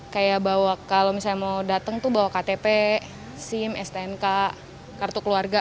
kayak bawa kalau misalnya mau datang tuh bawa ktp sim stnk kartu keluarga